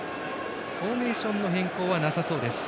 フォーメーションの変更はなさそうです。